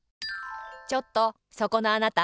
ちょっとそこのあなた。